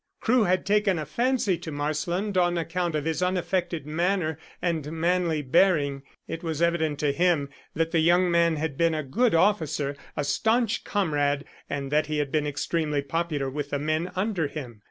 Crewe had taken a fancy to Marsland on account of his unaffected manner and manly bearing. It was evident to him that the young man had been a good officer, a staunch comrade, and that he had been extremely popular with the men under him.